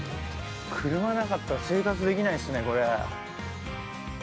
車なかったら生活できないですね、これ。